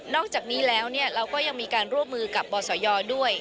อกจากนี้แล้วเราก็ยังมีการร่วมมือกับบศยด้วย